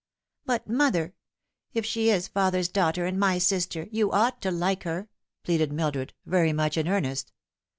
"But, mother, if she is father's daughter and my sister, you ought to like her," pleaded Mildred, very much in earnest.